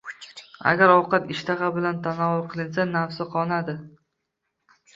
Agar ovqat ishtaha bilan tanovul qilinsa, nafsi qonadi.